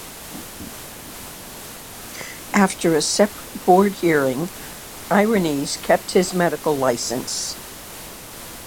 After a separate board hearing, Irones kept his medical license.